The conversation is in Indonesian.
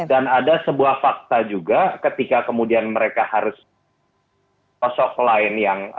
dan ada sebuah fakta juga ketika kemudian mereka harus sosok lain yang